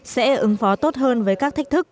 sẽ ứng phó tốt hơn với các thách thức